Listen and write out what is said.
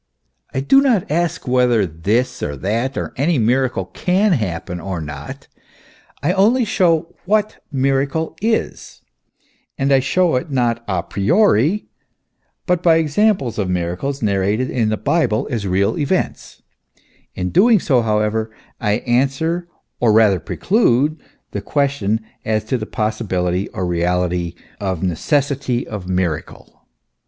I do not ask whether this or that, or any miracle can happen or not ; I only show what miracle is, and I show it not a priori, but by examples of miracles, narrated in the Bible as real events ; in doing so, however, I answer or rather preclude the question as to the possibility or reality or necessity of miracle.